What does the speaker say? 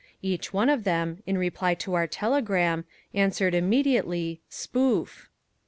Each one of them, in reply to our telegram, answered immediately SPOOF.